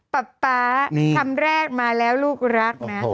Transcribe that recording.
ป๊าป๊าคำแรกมาแล้วลูกรักนะ